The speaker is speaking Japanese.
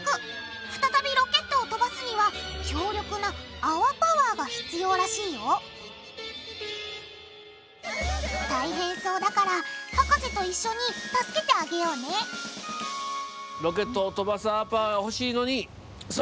再びロケットを飛ばすには強力なあわパワーが必要らしいよ大変そうだから博士と一緒に助けてあげようねなに？